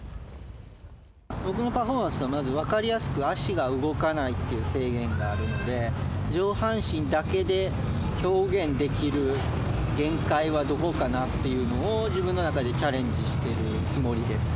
僕のパフォーマンスはまず分かりやすく足が動かないっていう制限があるので上半身だけで表現できる限界はどこかなっていうのを自分の中でチャレンジしてるつもりです